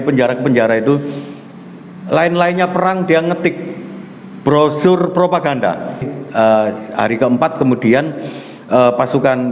penjara penjara itu lain lainnya perang dia ngetik brosur propaganda hari keempat kemudian pasukan